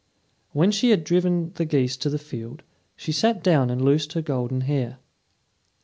When she had driven the geese to the field, she sat down and loosed her golden hair.